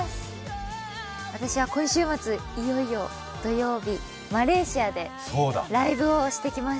私は今週末、いよいよ土曜日、マレーシアでライブをしてきます。